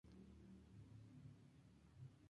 Atari, Inc.